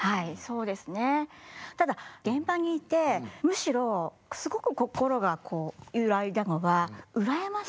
ただ現場にいてむしろすごく心がこう揺らいだのは羨ましい。